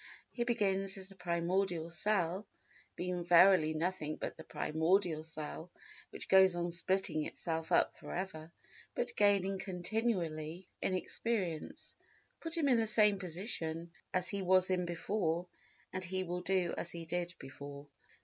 He begins as the primordial cell—being verily nothing but the primordial cell which goes on splitting itself up for ever, but gaining continually in experience. Put him in the same position as he was in before and he will do as he did before.